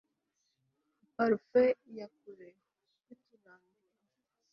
Nka parufe ya kure yurutambiro